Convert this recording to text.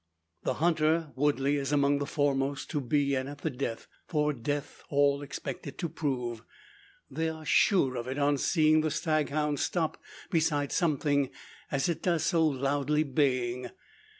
The hunter, Woodley, is among the foremost to be in at the death; for death all expect it to prove. They are sure of it, on seeing the stag hound stop beside something, as it does so loudly baying.